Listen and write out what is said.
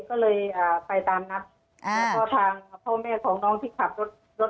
ก็เลยอ่าไปตามนัดแล้วก็ทางพ่อแม่ของน้องที่ขับรถรถ